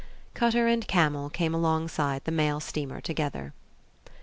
Cutter and camel came alongside the mail steamer together.